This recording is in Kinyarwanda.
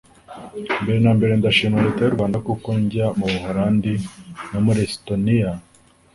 Mbere na mbere ndashimira Leta y’u Rwanda kuko njya mu Buholandi no muri Estoniya